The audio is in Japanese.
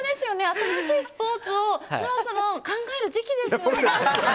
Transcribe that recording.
新しいスポーツそろそろ考える時期ですね。